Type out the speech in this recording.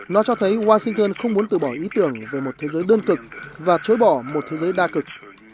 nó cho thấy washington không muốn từ bỏ ý tưởng về một thế giới đơn cực và chối bỏ một thế giới đa cực